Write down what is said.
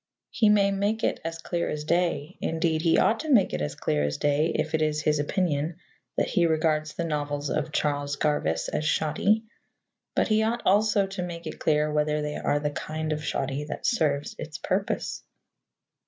He may make it as clear as day indeed, he ought to make it as clear as day, if it is his opinion that he regards the novels of Charles Garvice as shoddy, but he ought also to make it clear whether they are the kind of shoddy that serves its purpose.